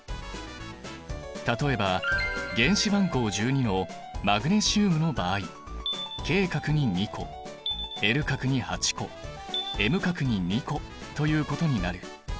例えば原子番号１２のマグネシウムの場合Ｋ殻に２個Ｌ殻に８個Ｍ殻に２個ということになる。